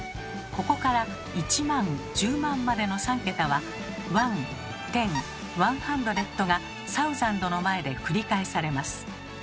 ここから「一万十万」までの３桁は「ワンテンワンハンドレッド」が「サウザンド」の前で繰り返されます。